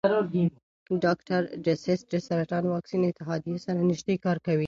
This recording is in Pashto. ډاکټر ډسیس د سرطان واکسین اتحادیې سره نژدې کار کوي.